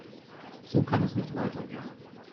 So kann es nicht weitergehen.